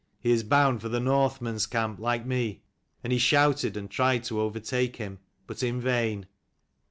" He is bound for the Northmen's camp, like me." And he shouted, and tried to overtake him, but in vain.